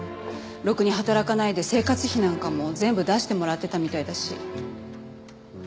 ろくに働かないで生活費なんかも全部出してもらってたみたいだし。